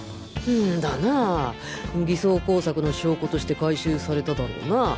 だなぁ偽装工作の証拠として回収されただろうなぁ